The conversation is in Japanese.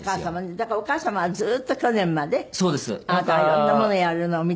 だからお母様はずっと去年まであなたが色んなものをやるのを見て。